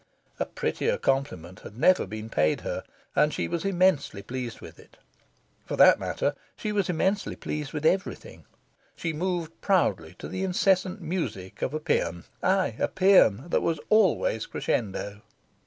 A prettier compliment had never been paid her, and she was immensely pleased with it. For that matter, she was immensely pleased with everything. She moved proudly to the incessant music of a paean, aye! of a paean that was always crescendo.